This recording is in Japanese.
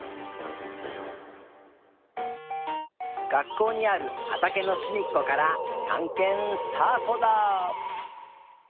学校にあるはたけのすみっこからたんけんスタートだ！